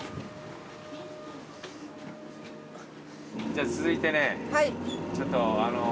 じゃあ続いてねちょっとあのう。